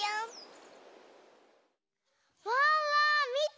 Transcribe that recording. ワンワンみて！